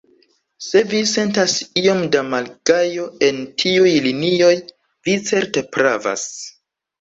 Se vi sentas iom da malgajo en tiuj linioj, vi certe pravas.